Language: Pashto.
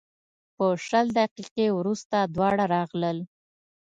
په شل دقیقې وروسته دواړه راغلل.